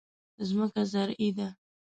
ځمکه زرعي ده.